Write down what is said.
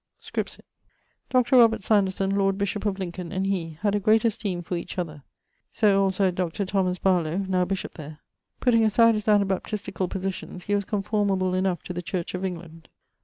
Scripsit.... Dr. Sanderson, lord bishop of Lincolne, and he, had a greate esteeme for each other, so also had Dr. Barlowe (now bishop there). Putting aside his Anabaptisticall positions, he was comformable enough to the Church of England.